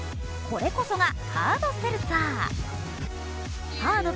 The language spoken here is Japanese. これこそが、ハードセルツァー。